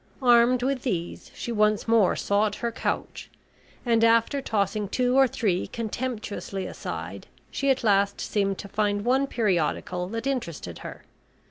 Armed with these she once more sought her couch, and after tossing two or three contemptuously aside, she at last seemed to find one periodical that interested her.